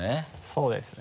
そうですね。